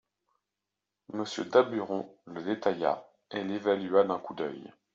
Monsieur Daburon le détailla et l'évalua d'un coup d'œil.